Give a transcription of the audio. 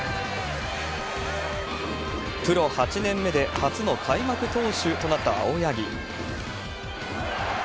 プロ８年目で初の開幕投手となった青柳。